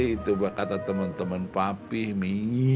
itu bah kata temen temen papi mi